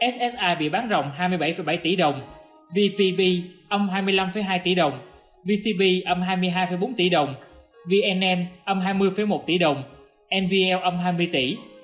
ssi bị bán rộng hai mươi bảy bảy tỷ đồng vvp âm hai mươi năm hai tỷ đồng vcb âm hai mươi hai bốn tỷ đồng vnm âm hai mươi một tỷ đồng nvl âm hai mươi tỷ